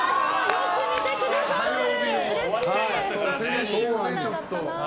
よく見てくださってる！